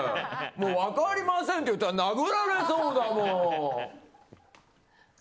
分かりませんって言ったら殴られそうだもん。